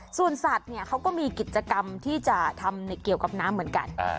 ส่วนสัตว์เนี่ยเขาก็มีกิจกรรมที่จะทำเกี่ยวกับน้ำเหมือนกัน